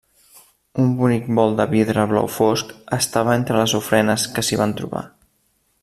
Un bonic bol de vidre blau fosc estava entre les ofrenes que s'hi van trobar.